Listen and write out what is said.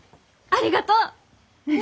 ありがとね！